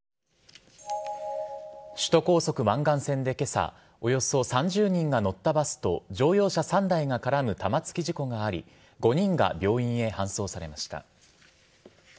首都高速湾岸線で今朝およそ３０人が乗ったバスと乗用車３台が絡む玉突き事故があり５人が病院へ搬送されました。